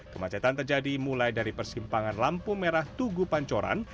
kemacetan terjadi mulai dari persimpangan lampu merah tugu pancoran